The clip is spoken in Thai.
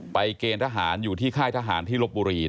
เกณฑ์ทหารอยู่ที่ค่ายทหารที่ลบบุรี